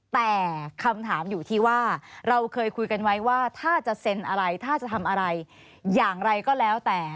แต่คำถามอยู่ที่ว่าเราเคยคุยกันไว้ว่าถ้าจะเซ็นอะไรถ้าจะทำอะไรอย่างไรก็แล้วแต่